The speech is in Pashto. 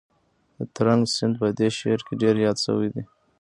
د ترنک سیند په دې شعر کې ډېر یاد شوی دی.